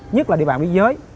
nhất là địa bàn biên giới